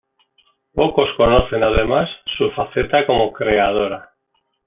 Pocos conocen además su faceta como creadora.